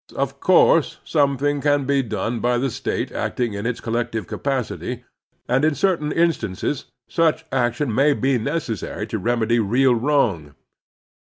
Of course something can be done by the State acting in its collective capacity, and in certain instances such action may be necessary to remedy real wrong.